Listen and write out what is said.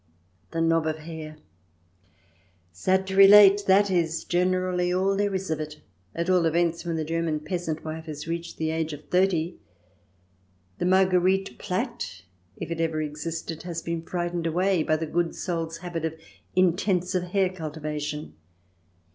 The knob of hair I Sad to relate, that is generally all there is of it, at all events when the German peasant wife has reached the age of thirty. The Marguerite plait, if it ever existed, has been frightened away by the good soul's habit of intensive hair cultivation.